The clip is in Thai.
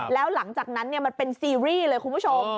แล้วหลังจากนั้นมันเป็นซีรีส์เลยคุณผู้ชม